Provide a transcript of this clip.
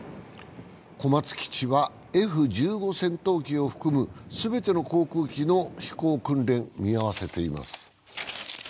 小松基地はＦ１５戦闘機を含む全ての航空機の飛行訓練を見合わせています。